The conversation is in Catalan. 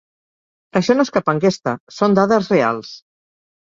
Això no és cap enquesta, són dades reals.